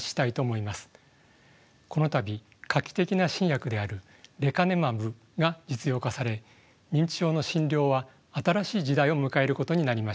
この度画期的な新薬であるレカネマブが実用化され認知症の診療は新しい時代を迎えることになりました。